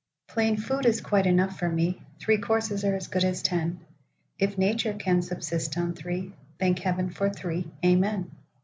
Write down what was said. Plain food is quite enough for me; Three courses are as good as ten;—If Nature can subsist on three, Thank Heaven for three. Amen!